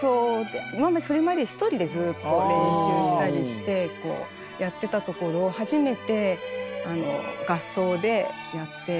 それまで一人でずっと練習したりしてやってたところを初めて合奏でやって。